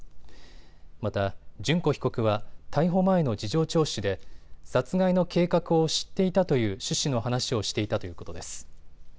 また、淳子被告は逮捕前の事情聴取で殺害の計画を知っていたという趣旨の話をしていたということです。